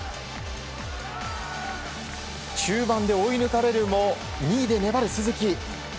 中盤で追い抜かれるも２位で粘る鈴木。